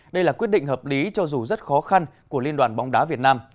đây là quyết định hợp lý cho dù rất khó khăn của liên đoàn bóng đá việt nam